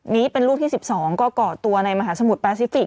นี้เป็นลูกที่๑๒ก็ก่อตัวในมหาสมุทรแปซิฟิก